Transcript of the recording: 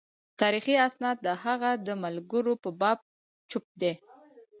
تاریخي اسناد د هغه د ملګرو په باب چوپ دي.